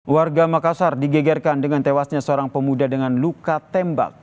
warga makassar digegerkan dengan tewasnya seorang pemuda dengan luka tembak